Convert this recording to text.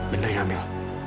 bener nggak mil